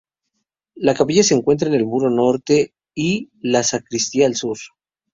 La capilla se encuentra en el muro norte y la sacristía al sur.